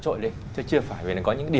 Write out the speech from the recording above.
hiện thì các vị đã có